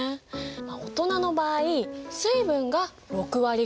大人の場合水分が６割ぐらい。